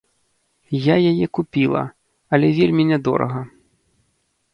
Я яе купіла, але вельмі нядорага.